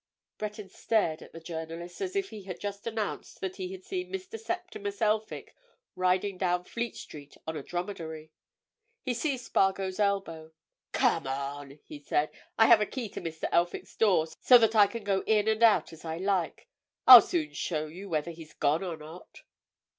Breton stared at the journalist as if he had just announced that he had seen Mr. Septimus Elphick riding down Fleet Street on a dromedary. He seized Spargo's elbow. "Come on!" he said. "I have a key to Mr. Elphick's door, so that I can go in and out as I like. I'll soon show you whether he's gone or not."